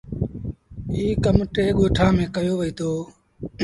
ايٚ ڪم ٽي ڳوٺآݩ ميݩ ڪيو وهيٚتو۔